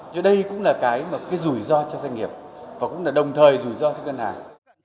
chứ đây cũng là cái rủi ro cho doanh nghiệp và cũng là đồng thời rủi ro cho ngân hàng